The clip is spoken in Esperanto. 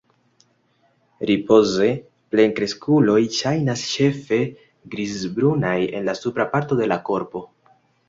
Ripoze plenkreskuloj ŝajnas ĉefe grizbrunaj en la supra parto de la korpo.